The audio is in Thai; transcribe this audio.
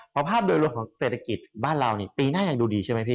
เพราะภาพโดยรวมของเศรษฐกิจบ้านเรานี่ปีหน้ายังดูดีใช่ไหมพี่